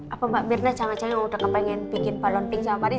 apa mbak mirna cangah canggih mau udah kepengen bikin palon pingsan hari ini